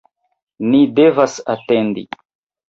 ni devas atendi!